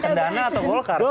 cendana atau golkar